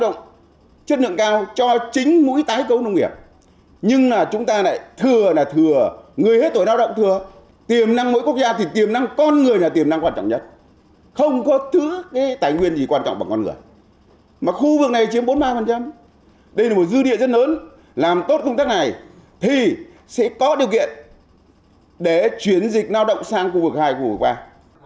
không có thứ cái tài nguyên gì quan trọng bằng con ngựa mà khu vực này chiếm bốn mươi ba đây là một dư địa rất lớn làm tốt công tác này thì sẽ có điều kiện để chuyển dịch lao động sang khu vực hai khu vực ba